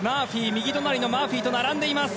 右隣のマーフィーと並んでいます。